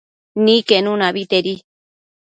Niquenuna abetedi